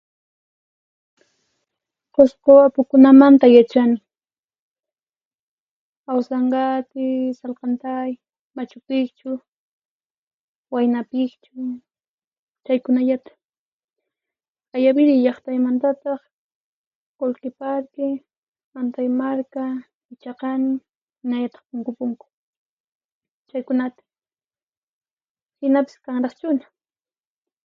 Qusqu apukunamanta yachani: Awsanqati, Salqantay, Machu Piqchu, Huayna Piqchu chaykunallata. Ayaviri llaqtaymantataq Qullqiparki, Antaymarka, Pichaqani hinallataq Punku Punku, chaykunata. Hinapis kanraqchuna.